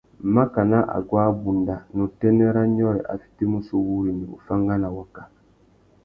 Makana aguá abunda, ná utênê râ nyôrê a fitimú sú wúrrini, uffangana; waka.